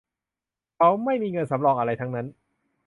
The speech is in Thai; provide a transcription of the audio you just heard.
เขาไม่มีเงินสำรองอะไรทั้งสิ้น